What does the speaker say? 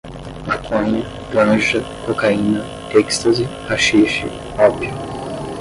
Maconha, ganja, cocaína, ecstasy, haxixe, ópio